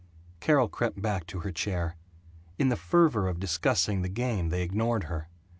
Carol crept back to her chair. In the fervor of discussing the game they ignored her.